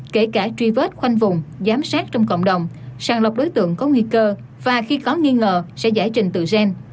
kể cả truy vết khoanh vùng giám sát trong cộng đồng sàng lọc đối tượng có nguy cơ và khi có nghi ngờ sẽ giải trình tự gen